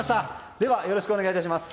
では、よろしくお願いいたします。